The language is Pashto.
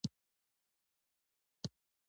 دهقانانو، سپرو او سپه سالارانو ته یې ولیکل.